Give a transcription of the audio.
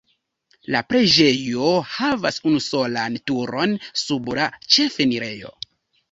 La preĝejo havas unusolan turon sub la ĉefenirejo.